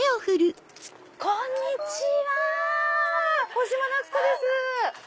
小島奈津子です。